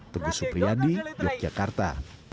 teguh supriyadi yogyakarta